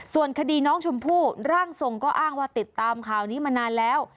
ส่วนคดีน้องชมพู่ร่างทรงก็อ้างว่าติดตามข่าวนี้มานานแล้ว